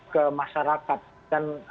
ke masyarakat dan